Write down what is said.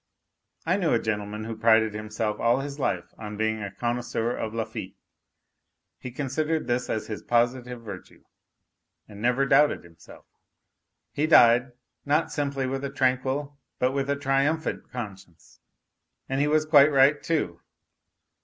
I knew a gentlemen who prided himself all his life on being a con noisseur of Lafitte. He considered this as his positive virtue, and never doubted himself. He died, not simply with a tranquil, but with a triumphant, conscience, and he was quite right, too.